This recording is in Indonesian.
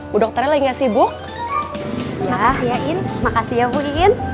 bu dokternya lagi sibuk yain makasih ya bu iin